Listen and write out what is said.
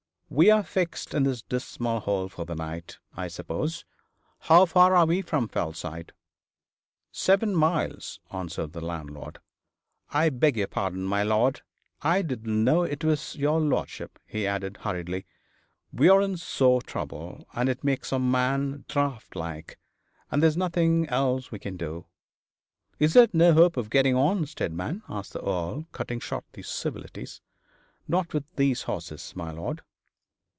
'We are fixed in this dismal hole for the night, I suppose. How far are we from Fellside?' 'Seven miles,' answered the landlord. 'I beg your pardon, my lord; I didn't know it was your lordship,' he added, hurriedly. 'We're in sore trouble, and it makes a man daft like; but if there's anything we can do ' 'Is there no hope of getting on, Steadman?' asked the Earl, cutting short these civilities. 'Not with these horses, my lord.'